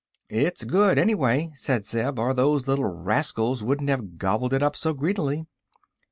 "It's good, anyway," said Zeb, "or those little rascals wouldn't have gobbled it up so greedily."